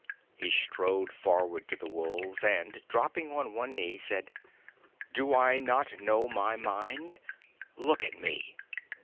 He strode forward to the wolves, and, dropping on one knee, said: "Do I not know my mind? Look at me!"